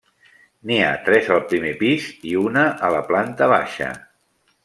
N’hi ha tres al primer pis i una a la planta baixa.